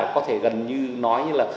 có thể gần như nói như là